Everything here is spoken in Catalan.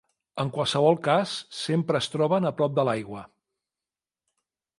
En qualsevol cas sempre es troben a prop de l'aigua.